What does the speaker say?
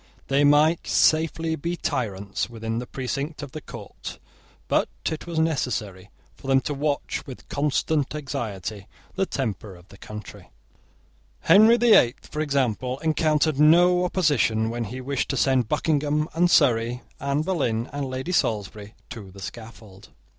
They might safely be tyrants, within the precinct of the court: but it was necessary for them to watch with constant anxiety the temper of the country. Henry the Eighth, for example, encountered no opposition when he wished to send Buckingham and Surrey, Anne Boleyn and Lady Salisbury, to the scaffold.